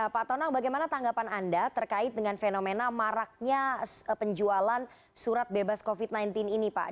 pak tonang bagaimana tanggapan anda terkait dengan fenomena maraknya penjualan surat bebas covid sembilan belas ini pak